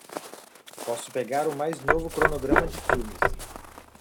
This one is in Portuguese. Posso pegar o mais novo cronograma de filmes